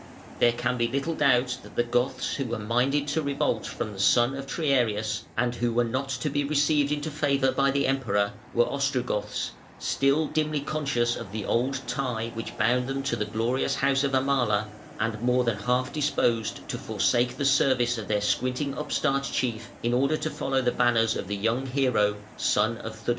There can be little doubt that the Goths who were minded to revolt from the son of Triarius and who were not to be received into favour by the Emperor, were Ostrogoths, still dimly conscious of the old tie which bound them to the glorious house of Amala, and more than half disposed to forsake the service of their squinting upstart chief in order to follow the banners of the young hero, son of Theudemir.